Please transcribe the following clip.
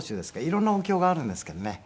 色んなお経があるんですけどね。